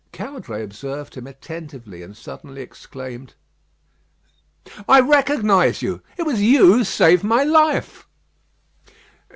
Caudray observed him attentively; and suddenly exclaimed: "I recognise you. It was you who saved my life."